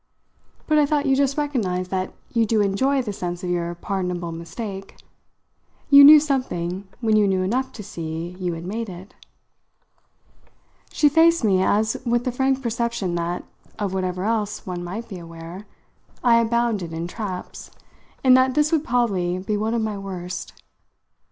"But I thought you just recognised that you do enjoy the sense of your pardonable mistake. You knew something when you knew enough to see you had made it." She faced me as with the frank perception that, of whatever else one might be aware, I abounded in traps, and that this would probably be one of my worst.